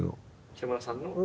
北村さんの？